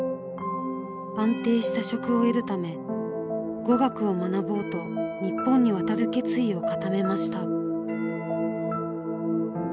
安定した職を得るため語学を学ぼうと日本に渡る決意を固めました。